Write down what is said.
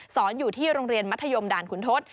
อยู่ที่โรงเรียนมัธยมด่านขุนทศ